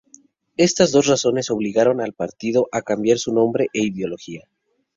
Estas dos razones obligaron al partido a cambiar su nombre e ideología.